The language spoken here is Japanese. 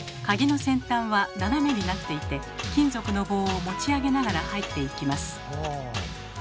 鍵の先端は斜めになっていて金属の棒を持ち上げながら入っていきます。